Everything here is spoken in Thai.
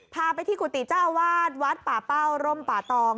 พาไปที่กุฏิเจ้าอาวาสวัดป่าเป้าร่มป่าตอง